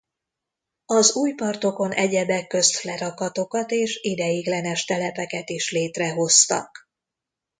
Az új partokon egyebek közt lerakatokat és ideiglenes telepeket is létrehoztak.